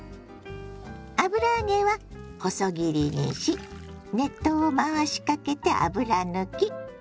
油揚げは細切りにし熱湯を回しかけて油抜き。